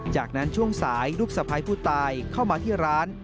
จากนั้นช่วงสายลูกสะพ้ายผู้ตายเข้ามาที่ร้าน